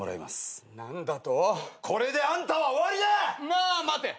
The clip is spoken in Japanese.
まあ待て。